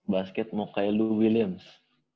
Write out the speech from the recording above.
basket mau kayak lou williams